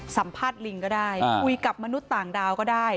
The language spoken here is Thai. สัมภาษณ์ลิงก็ได้คุยกับมนุษย์ต่างดาวก็ได้